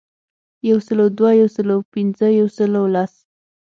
یو سلو دوه، یو سلو پنځه ،یو سلو لس .